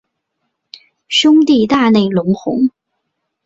兄弟大内隆弘。